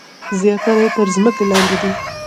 زیاتره یې تر ځمکې لاندې دي.